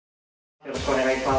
よろしくお願いします。